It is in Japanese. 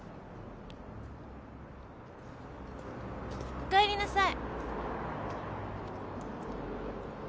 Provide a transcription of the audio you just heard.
おかえりなさい。